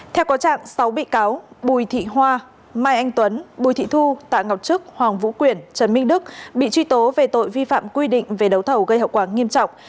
theo có trạng sáu bị cáo bùi thị hoa mai anh tuấn bùi thị thu tạ ngọc trức hoàng vũ quyển trần minh đức bị truy tố về tội vi phạm quy định về đấu thầu gây hậu quả nghiêm trọng